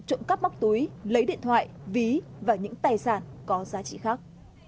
trộm cắp móc túi lấy điện thoại ví và những tài sản có giá trị khác